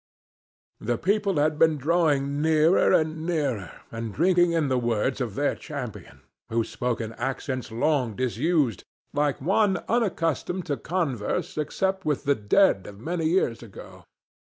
The people had been drawing nearer and nearer and drinking in the words of their champion, who spoke in accents long disused, like one unaccustomed to converse except with the dead of many years ago.